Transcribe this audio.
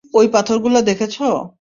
অই পাথরগুলো দেখছ?